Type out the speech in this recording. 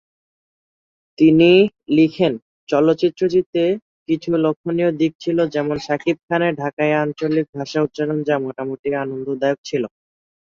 তিনি লিখেন ‘‘চলচ্চিত্রটিতে কিছু লক্ষণীয় দিক ছিল যেমন শাকিব খানের ঢাকাইয়া আঞ্চলিক ভাষা উচ্চারণ, যা মোটামুটি আনন্দদায়ক ছিল।